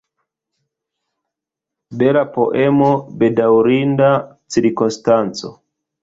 Bela poemo, bedaŭrinda cirkonstanco.